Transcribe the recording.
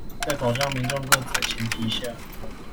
在保障民眾個資的前提下